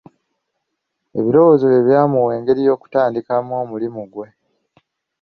Ebirowoozo bye byamuwa engeri gy'atandikamu omulimu gwe.